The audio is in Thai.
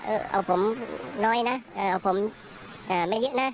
เอาผมน้อยนะเอาผมไม่เยอะนะ